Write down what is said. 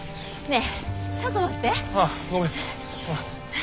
え？